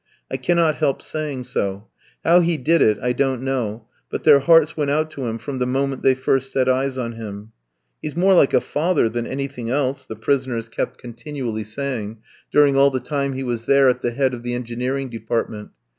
I cannot help saying so. How he did it I don't know, but their hearts went out to him from the moment they first set eyes on him. "He's more like a father than anything else," the prisoners kept continually saying during all the time he was there at the head of the engineering department.